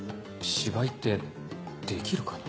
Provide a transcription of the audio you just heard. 芝居ってできるかな？